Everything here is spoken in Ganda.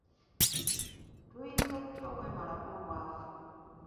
Tuyinza tutya okwemalako obwavu?